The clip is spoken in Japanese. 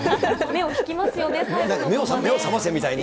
目を引きますよね、最後。